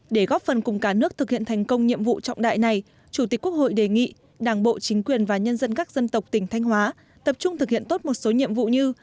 để góp phần cùng cả nước thực hiện thành công nhiệm vụ trọng đại này chủ tịch quốc hội đề nghị đảng bộ chính quyền và nhân dân các dân tộc tỉnh thanh hóa tập trung thực hiện tốt một số nhiệm vụ như